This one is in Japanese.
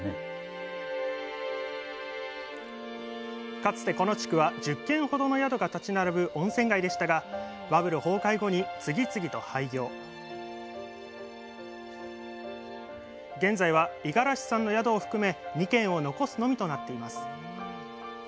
かつてこの地区は１０軒ほどの宿が立ち並ぶ温泉街でしたが現在は五十嵐さんの宿を含め２軒を残すのみとなっています。